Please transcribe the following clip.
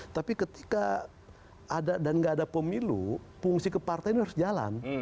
tapi ketika ada dan nggak ada pemilu fungsi ke partai ini harus jalan